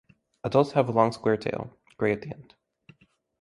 Adults have a long square tail, gray at the end.